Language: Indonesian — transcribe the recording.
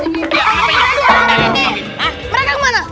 riky mereka kemana